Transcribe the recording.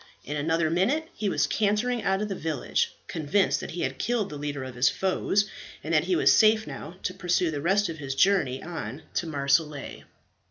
In another minute he was cantering out of the village, convinced that he had killed the leader of his foes, and that he was safe now to pursue the rest of his journey on to Marseilles.